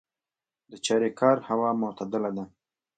د چاریکار هوا معتدله ده